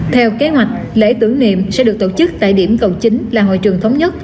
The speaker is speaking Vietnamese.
theo kế hoạch lễ tưởng niệm sẽ được tổ chức tại điểm cầu chính là hội trường thống nhất